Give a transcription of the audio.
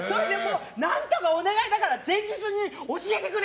何とかお願いだから前日に教えてくれ！